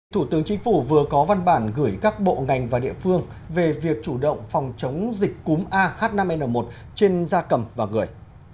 thủ tướng chính phủ vừa có văn bản gửi các bộ ngành và địa phương về việc chủ động phòng chống dịch cúm ah năm n một trên gia cầm và người